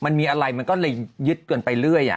มันมีอะไรมันก็เลยยึดเกินไปเรื่อย